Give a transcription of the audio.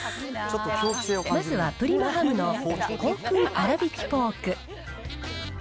まずはプリマハムの香薫あらびきポーク。